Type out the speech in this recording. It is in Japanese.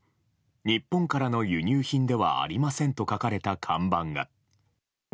日本からの輸入品ではありませんと書かれた看板が。